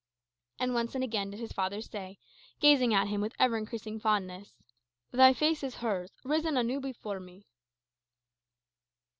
And once and again did his father say, gazing at him with ever increasing fondness, "Thy face is hers, risen anew before me."